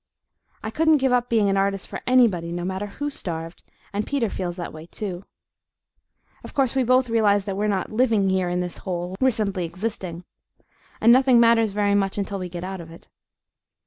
I couldn't give up being an artist for anybody, no matter WHO starved, and Peter feels that way, too. Of course we both realize that we're not LIVING here in this hole, we're simply existing, and nothing matters very much until we get out of it.